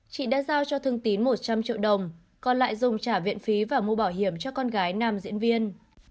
chị đã giao cho thương tín một trăm linh triệu đồng còn lại dùng trả viện phí và mua bảo hiểm cho con gái nam diễn viên